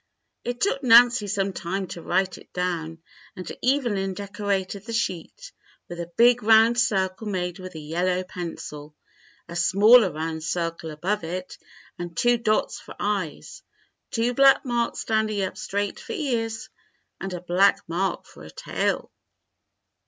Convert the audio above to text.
It took Nancy some time to write it down, and Evelyn decorated the sheet, with a big round circle made with a yellow pencil, a smaller round circle above it and two dots for eyes, tw^o black marks standing up straight for ears, and a black mark for a tail.